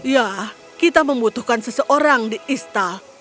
ya kita membutuhkan seseorang di istal